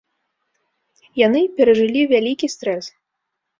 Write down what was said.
Яны перажылі вялікі стрэс.